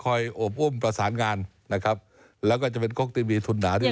คุมประสานงานนะครับแล้วก็จะเป็นกกที่มีทุนหนาที่สุด